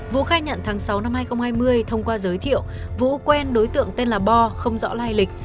vũ khai nhận tháng sáu năm hai nghìn hai mươi thông qua giới thiệu vũ quen đối tượng tên là bo không rõ lai lịch